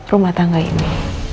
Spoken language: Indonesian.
rumah tangga ini